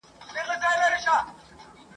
چا تر خولې را بادوله سپین ځګونه ..